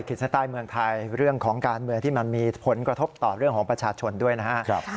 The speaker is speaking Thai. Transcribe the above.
เส้นใต้เมืองไทยเรื่องของการเมืองที่มันมีผลกระทบต่อเรื่องของประชาชนด้วยนะครับ